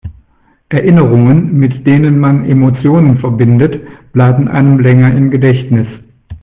Erinnerungen, mit denen man Emotionen verbindet, bleiben einem länger im Gedächtnis.